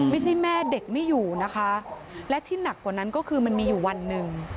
ไม่ใช่แม่เด็กไม่อยู่นะคะและที่หนักกว่านั้นก็คือมันมีอยู่วันหนึ่ง